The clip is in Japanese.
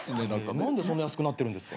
何で安くなってるんですか？